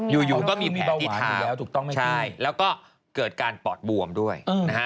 โดยก็มีแผลติทาถูกต้องครับแล้วก็เกิดการปอดบวมด้วย